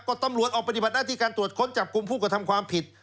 ก็ตำรวจออกปฏิบัติหน้าที่การตรวจค้นจับกลุ่มผู้กระทำความผิด